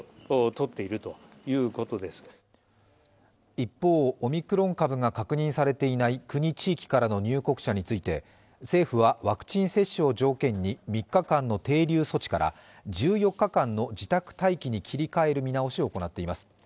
一方、オミクロン株が確認されていない国・地域からの入国者について政府はワクチン接種を条件に３日間の停留措置から１４日間の自宅待機に切り替える見直しを行っています。